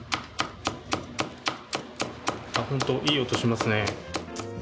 本当いい音しますね。